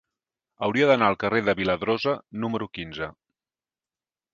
Hauria d'anar al carrer de Viladrosa número quinze.